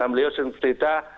beliau sempat cerita